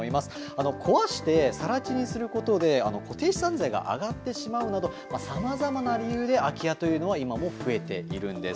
あの、壊してさら地にすることで固定資産税が上がってしまうなどさまざまな理由で空き家というのは今も増えているんです。